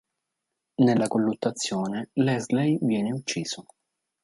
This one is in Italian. Nella colluttazione Lesley viene ucciso.